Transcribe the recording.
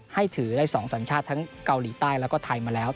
ให้ถือได้๒สัญชาติทั้งเกาหลีใต้แล้วก็ไทยมาแล้ว